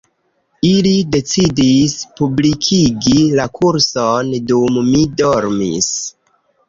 Ili decidis publikigi la kurson dum mi dormis